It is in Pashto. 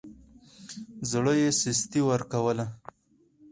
زړه يې سستي ورکوله.